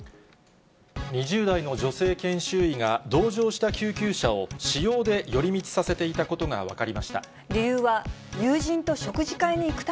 ２０代の女性研修医が同乗した救急車を私用で寄り道させていたことが分かりました。